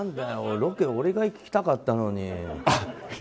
ロケ、俺が行きたかったのに。